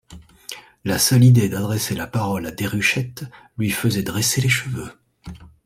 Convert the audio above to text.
La seule idée d’adresser la parole à Déruchette lui faisait dresser les cheveux.